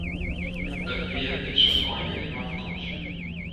It pear wie sûnt ein juny mei fakânsje.